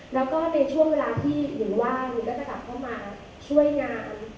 แล้วก็ในช่วงเวลาที่นิวว่างก็จะกลับเข้ามาช่วยงาน